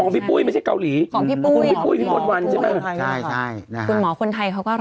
พี่ปุ้ยพี่หม่นวัล